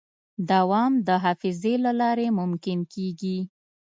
دوام د حافظې له لارې ممکن کېږي.